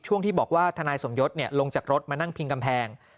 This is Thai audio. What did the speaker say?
ที่บอกว่าทนายสมยศลงจากรถมานั่งพิงกำแพง